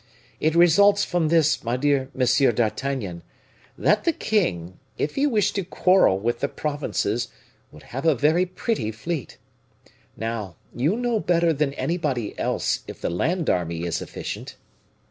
It results from this, my dear Monsieur d'Artagnan, that the king, if he wished to quarrel with the Provinces, would have a very pretty fleet. Now, you know better than anybody else if the land army is efficient."